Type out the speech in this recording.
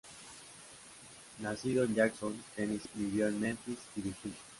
Nacido en Jackson, Tennessee, vivió en Memphis y Virginia.